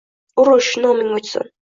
Urush — noming o‘chsin...